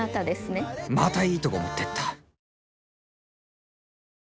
またいいとこ持ってった！